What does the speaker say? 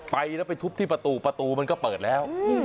ไปแล้วไปทุบที่ประตูประตูมันก็เปิดแล้ว